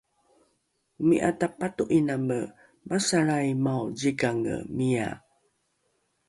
omi’a tapato’iname “masalraimao zikange” mia